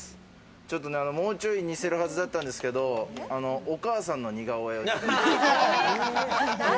ちょっと、もうちょい似せるはずだったんですけど、お母さんの似顔絵。